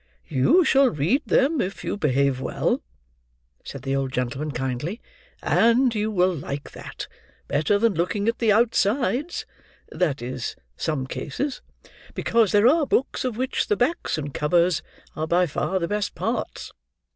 "You shall read them, if you behave well," said the old gentleman kindly; "and you will like that, better than looking at the outsides,—that is, some cases; because there are books of which the backs and covers are by far the best parts."